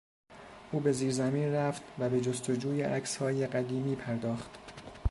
او به زیرزمین رفت و به جستجوی عکسهای قدیمی پرداخت.